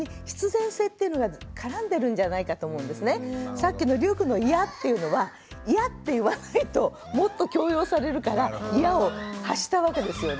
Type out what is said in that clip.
さっきのりゅうくんの「イヤ」っていうのは「イヤ」って言わないともっと強要されるから「イヤ」を発したわけですよね。